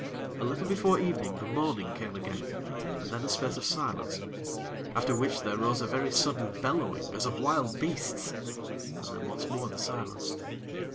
A little before evening, the moaning came again, and then a space of silence; after which there rose a very sudden bellowing, as of wild beasts, and then once more the silence.